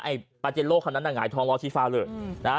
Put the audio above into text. ไอ้ปาเจโรคำนั้นอ่ะหงายทองรอชีฟ้าเลยอืมนะฮะ